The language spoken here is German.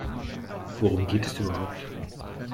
Worum geht es überhaupt?